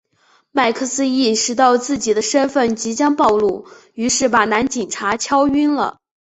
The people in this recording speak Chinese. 麦克斯意识到自己的身份即将暴露于是把男警察敲晕了。